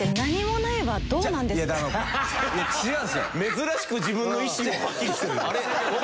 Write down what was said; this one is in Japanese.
珍しく自分の意思をはっきり言ってる。